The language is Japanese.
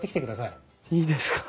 いいですか？